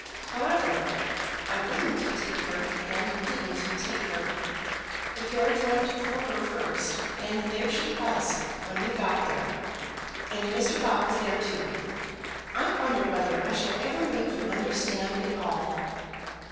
However, I wouldn't take her, and didn't take her. The carriage went for her first, and there she was when we got there; and Mr. Bott was there too. I wonder whether I shall ever make you understand it all."